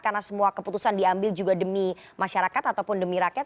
karena semua keputusan diambil juga demi masyarakat ataupun demi rakyat